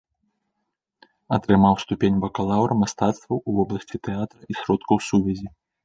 Атрымаў ступень бакалаўра мастацтваў у вобласці тэатра і сродкаў сувязі.